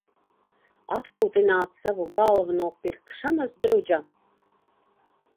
Atpūtināt savu galvu no "pirkšanas drudža"?